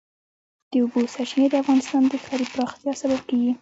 د اوبو سرچینې د افغانستان د ښاري پراختیا سبب کېږي.